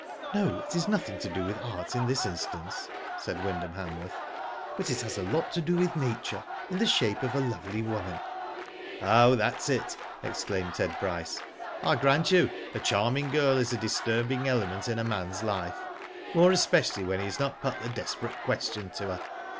*' No, it is nothing to do with art in this instance," said Wyndham Hanworth ; "but it has a lot to do with nature, in the shape of a lovely woman," Digitized byGoogk IN THE STUDIO. 221 "Oh, that's it, is it?" exclaimed Ted Bryce. "I grant you a charming girl is a disturbing element in a man's life, more especially when he has not put the desperate question to her.